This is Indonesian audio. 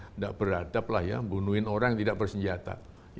tidak beradab lah ya membunuh orang yang tidak bersenjata